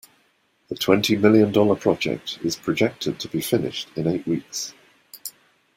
The twenty million dollar project is projected to be finished in eight weeks.